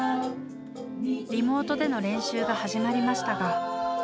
リモートでの練習が始まりましたが。